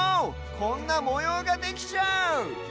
こんなもようができちゃう！